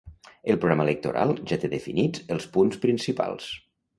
El programa electoral ja té definits els punts principals.